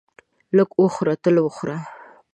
لږ وخوره تل وخوره.